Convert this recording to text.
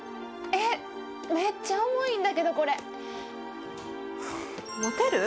えっめっちゃ重いんだけどこれ持てる？